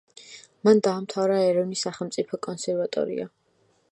მან დაამთავრა ერევნის სახელმწიფო კონსერვატორია.